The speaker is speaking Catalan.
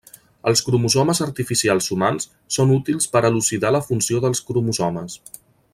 Els cromosomes artificials humans són útils per elucidar la funció dels cromosomes.